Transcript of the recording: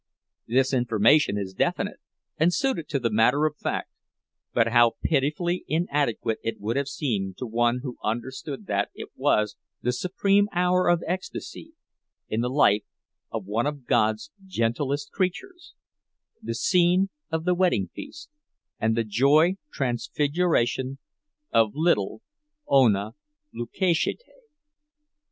This information is definite and suited to the matter of fact; but how pitifully inadequate it would have seemed to one who understood that it was also the supreme hour of ecstasy in the life of one of God's gentlest creatures, the scene of the wedding feast and the joy transfiguration of little Ona Lukoszaite!